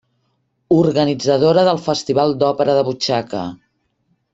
Organitzadora del Festival d'Òpera de Butxaca.